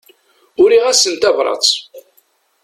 Uriɣ-asen tabrat.